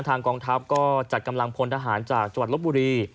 กองทัพก็จัดกำลังพลทหารจากจังหวัดลบบุรี